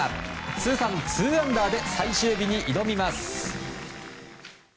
通算２アンダーで最終日に挑みます。